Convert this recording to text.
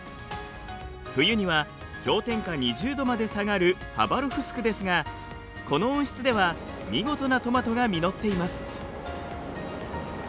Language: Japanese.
冬には氷点下２０度まで下がるハバロフスクですがこの温室では見事なトマトが実っています。